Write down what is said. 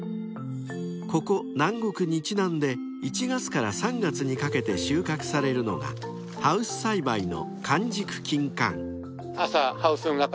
［ここ南国日南で１月から３月にかけて収穫されるのがハウス栽培の］